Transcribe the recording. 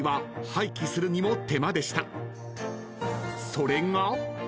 ［それが］